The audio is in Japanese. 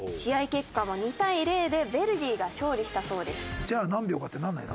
結果は２対０でヴェルディが勝利したそうです。